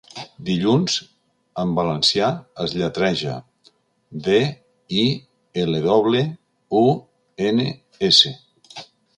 'Dilluns' en valencià es lletreja: de, i, ele doble, u, ene, esse.